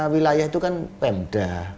wilayah itu kan pemda